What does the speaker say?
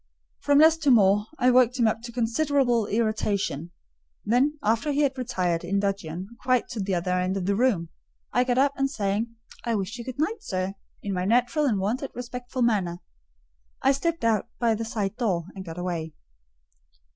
From less to more, I worked him up to considerable irritation; then, after he had retired, in dudgeon, quite to the other end of the room, I got up, and saying, "I wish you good night, sir," in my natural and wonted respectful manner, I slipped out by the side door and got away.